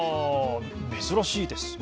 珍しいですね。